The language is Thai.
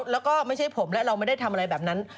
แล้วก็ไม่ใช่ผมและเราไม่ได้ทำอะไรแบบนั้น